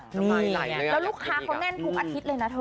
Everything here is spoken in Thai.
แล้วลูกค้าก็แน่นทุกอาทิตย์เลยนะเธอ